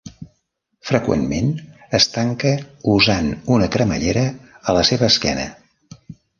Freqüentment es tanca usant una cremallera a la seva esquena.